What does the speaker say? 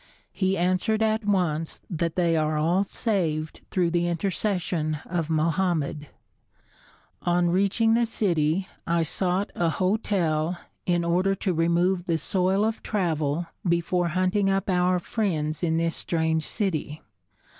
He answered at once that they are all saved through the intercession of Mohammed. On reaching the city I sought a hotel, in order to remove the soil of travel before hunting up our friends in this strange city.